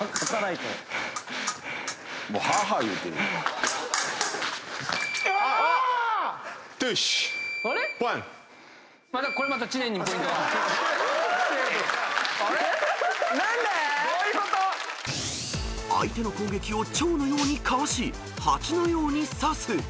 どういうこと⁉［相手の攻撃をチョウのようにかわしハチのように刺す］